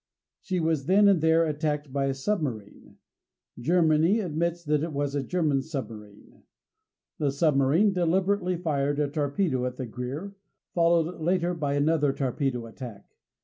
She was then and there attacked by a submarine. Germany admits that it was a German submarine. The submarine deliberately fired a torpedo at the GREER, followed later by another torpedo attack.